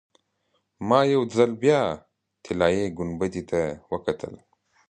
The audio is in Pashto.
ما یو ځل بیا طلایي ګنبدې ته وکتل.